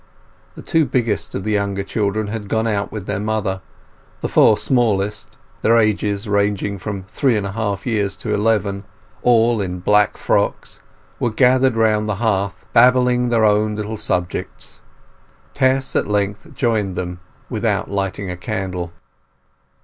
The two biggest of the younger children had gone out with their mother; the four smallest, their ages ranging from three and a half years to eleven, all in black frocks, were gathered round the hearth babbling their own little subjects. Tess at length joined them, without lighting a candle.